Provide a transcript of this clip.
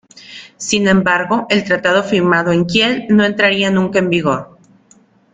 Sin embargo, el tratado firmado en Kiel no entraría nunca en vigor.